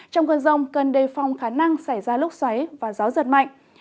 trong cơn rông cần đề phòng khả năng xảy ra lúc xoáy và gió giật mạnh